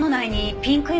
ピンク？